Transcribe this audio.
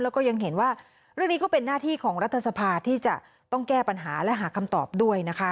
แล้วก็ยังเห็นว่าเรื่องนี้ก็เป็นหน้าที่ของรัฐสภาที่จะต้องแก้ปัญหาและหาคำตอบด้วยนะคะ